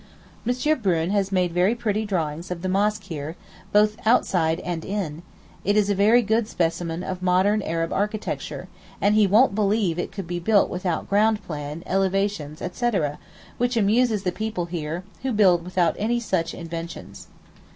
M. Brune has made very pretty drawings of the mosque here, both outside and in; it is a very good specimen of modern Arab architecture; and he won't believe it could be built without ground plan, elevations, etc., which amuses the people here, who build without any such inventions.